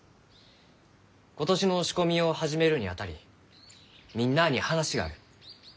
今年の仕込みを始めるにあたりみんなあに話がある。